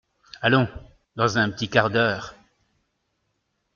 Allons ! dans un petit quart d’heure…